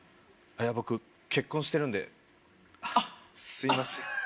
僕結婚してるんであっすいません